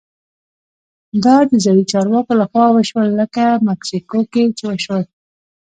دا د ځايي چارواکو لخوا وشول لکه مکسیکو کې چې وشول.